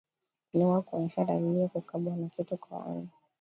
Mnyama kuonyesha dalili ya kukabwa na kitu kooni